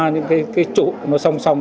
những cái chỗ nó song song